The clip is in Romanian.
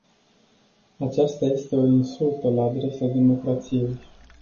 Aceasta este o insultă la adresa democrației.